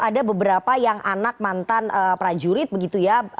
ada beberapa yang anak mantan prajurit begitu ya